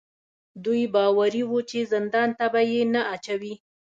دوی باوري وو چې زندان ته به یې نه اچوي.